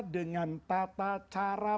dengan tata cara